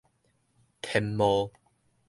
天幕